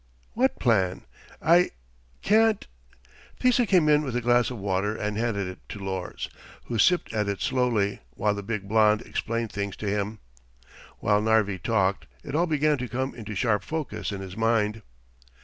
"What plan? I ... can't..." Thesa came in with a glass of water and handed it to Lors, who sipped at it slowly while the big blond explained things to him. While Narvi talked, it all began to come into sharp focus in his mind.